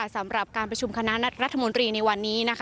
สำหรับการประชุมคณะรัฐมนตรีในวันนี้